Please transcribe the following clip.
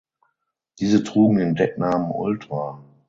Diese trugen den Decknamen "Ultra".